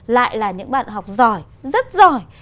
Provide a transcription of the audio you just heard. lại là những bạn học giỏi rất giỏi